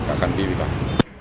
và hành vi vi phạm